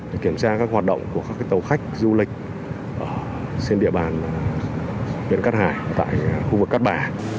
để kiểm tra các hoạt động của các tàu khách du lịch trên địa bàn huyện cát hải tại khu vực cát bà